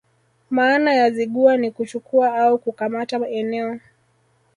Maana ya Zigua ni kuchukua au kukamata eneo